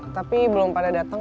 tapi belum pada dateng